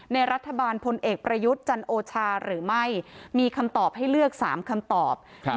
ในรัฐบาลพลเอกประยุทธ์จันโอชาหรือไม่มีคำตอบให้เลือกสามคำตอบครับ